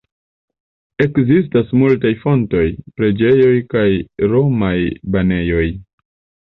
Ekzistas multaj fontoj, preĝejoj, kaj romaj banejoj.